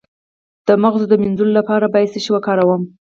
د مغز د مینځلو لپاره باید څه شی وکاروم؟